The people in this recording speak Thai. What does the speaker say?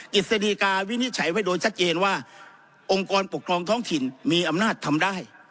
กิจสดีกาวินิจฉัยไว้โดยชัดเจนว่าองค์กรปกครองท้องถิ่นมีอำนาจทำได้